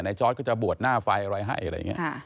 นายจอร์ดก็จะบวชหน้าไฟอะไรให้